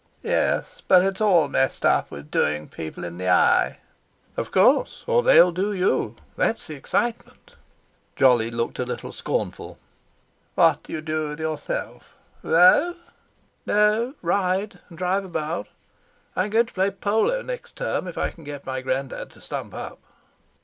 "Yes, but it's all messed up with doing people in the eye." "Of course, or they'll do you—that's the excitement." Jolly looked a little scornful. "What do you do with yourself? Row?" "No—ride, and drive about. I'm going to play polo next term, if I can get my granddad to stump up."